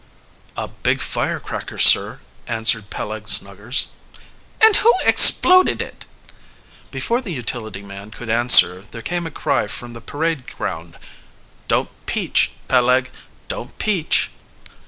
"A big firecracker, sir," answered Peleg Snuggers. "And who exploded it?" Before the utility man could answer there came a cry from the parade ground: "Don't peach, Peleg, don't peach!"